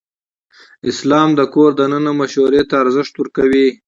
اسلام د کور دننه مشورې ته ارزښت ورکوي.